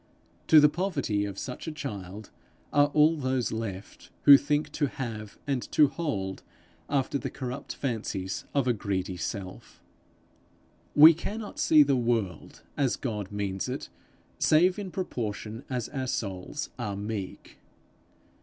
To the poverty of such a child are all those left, who think to have and to hold after the corrupt fancies of a greedy self. We cannot see the world as God means it, save in proportion as our souls are meek.